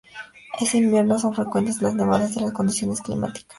En invierno, son frecuentes las nevadas y las condiciones climáticas son adversas.